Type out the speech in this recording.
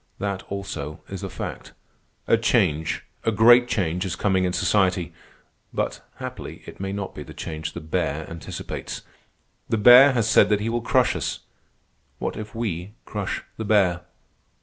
That, also, is a fact. A change, a great change, is coming in society; but, haply, it may not be the change the bear anticipates. The bear has said that he will crush us. What if we crush the bear?"